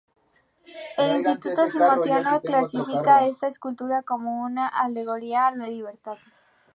El Instituto Smithsoniano clasifica esta escultura como una alegoría a la libertad.